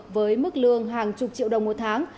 với mức lương hàng chục triệu đồng một tháng